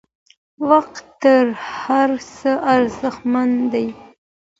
وخت تر هر څه ارزښتمن دی.